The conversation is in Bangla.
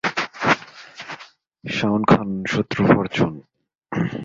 শাওন খান, সূত্র ফরচুন